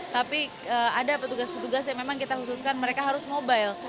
tapi ada petugas petugas yang memang kita khususkan mereka harus mobile